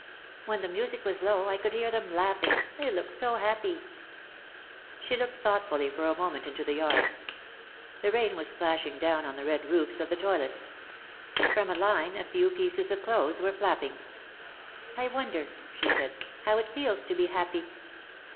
When the music was low I could hear them laugh ing, they looked so happy !" She looked thoughtfully for a moment into the yard. The rain was splashing down on the red roofs of the toilets. From a line a few pieces of clothes were flap ping. "I wonder," she said, "how it feels to be happy!"